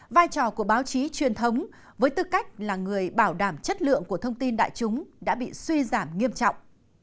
vai trò của báo chí truyền thống với tư cách là người bảo đảm chất lượng của thông tin đại chúng đã bị suy giảm nghiêm trọng